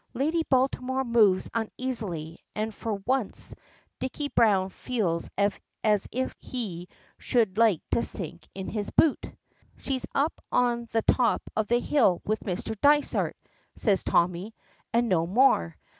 Lady Baltimore moves uneasily, and for once Dicky Browne feels as if he should like to sink into his boot. "She's up on the top of the hill with Mr. Dysart," says Tommy, and no more.